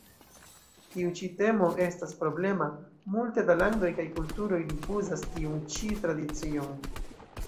Tiu ĉi temo estas problema, multe da landoj kaj kulturoj rifuzas tiun ĉi tradicion.